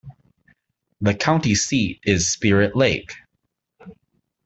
The county seat is Spirit Lake.